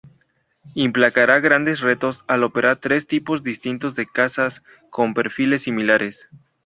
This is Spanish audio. Implicará grandes retos al operar tres tipos distinto de cazas con perfiles similares.